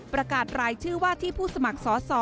ประกาศรายชื่อว่าที่ผู้สมัครสอสอ